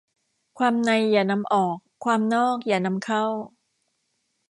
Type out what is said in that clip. ความในอย่านำออก ความนอกอย่านำเข้า